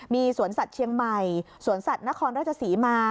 มีสวนสัตว์เชียงใหม่สวนสัตว์นครราชศรีมา